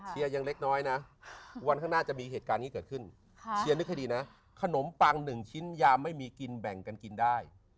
ยังเล็กน้อยนะวันข้างหน้าจะมีเหตุการณ์นี้เกิดขึ้นเชียร์นึกให้ดีนะขนมปังหนึ่งชิ้นยามไม่มีกินแบ่งกันกินได้